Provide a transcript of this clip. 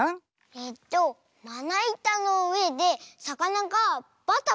えっとまないたのうえでさかながバタバタはねてるおと？